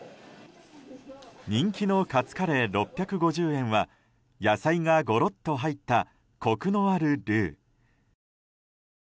人気のカツカレー６５０円は野菜がゴロッと入ったコクのあるルー。